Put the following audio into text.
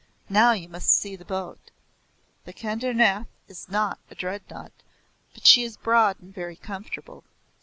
"Now you must see the boat. The Kedarnath is not a Dreadnought, but she is broad and very comfortable.